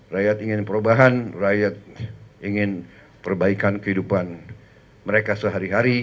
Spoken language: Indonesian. rakyat ingin perubahan rakyat ingin perbaikan kehidupan mereka sehari hari